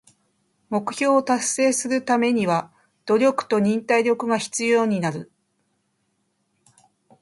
目標を達成するためには努力と忍耐力が必要になる。